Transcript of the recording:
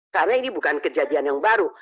karena ini bukan kejadian yang baru